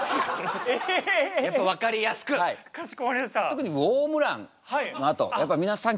特にウオームランのあとやっぱり皆さん